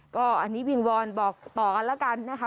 ก็อันนี้วิงวอนบอกต่อกันแล้วกันนะคะ